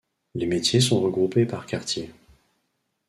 Les métiers sont regroupés par quartiers.